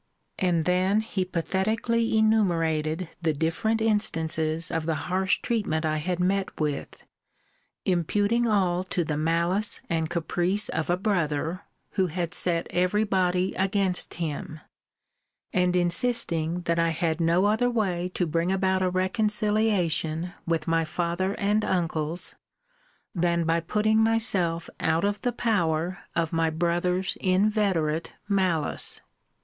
And then he pathetically enumerated the different instances of the harsh treatment I had met with; imputing all to the malice and caprice of a brother, who set every body against him: and insisting, that I had no other way to bring about a reconciliation with my father and uncles, than by putting myself out of the power of my brother's inveterate malice.